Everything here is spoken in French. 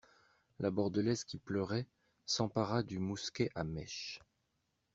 La Bordelaise, qui pleurait, s'empara du mousquet à mèche.